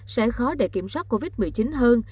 sẽ khó để kiểm soát covid một mươi chín hơn